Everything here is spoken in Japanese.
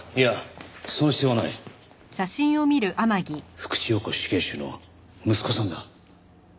福地陽子死刑囚の息子さんだ。